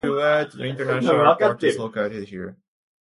Kuwait International Airport is located there.